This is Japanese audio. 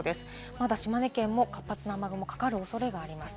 まだ島根県も活発な雨雲がかかるおそれがあります。